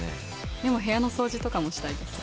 でも部屋の掃除とかもしたいです。